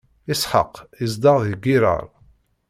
Isḥaq izdeɣ di Girar.